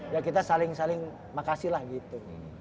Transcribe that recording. ya kita saling saling makasih lah gitu